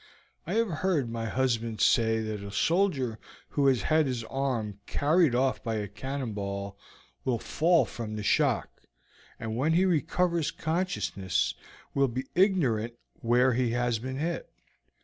I have heard my husband say that a soldier who has had his arm carried off by a cannon ball will fall from the shock, and when he recovers consciousness will be ignorant where he has been hit.